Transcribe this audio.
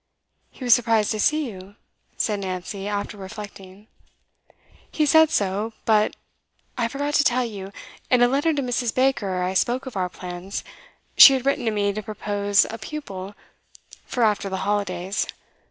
'He was surprised to see you?' said Nancy, after reflecting. 'He said so. But I forgot to tell you in a letter to Mrs. Baker I spoke of our plans. She had written to me to propose a pupil for after the holidays.